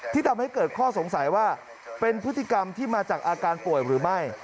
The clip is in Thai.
ทำให้เกิดข้อสงสัยว่าเป็นพฤติกรรมที่มาจากอาการป่วยหรือไม่